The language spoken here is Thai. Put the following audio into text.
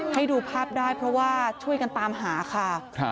ให้ดูภาพได้เพราะว่าช่วยกันตามหาค่ะ